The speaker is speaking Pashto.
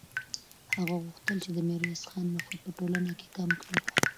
هغه غوښتل چې د میرویس خان نفوذ په ټولنه کې کم کړي.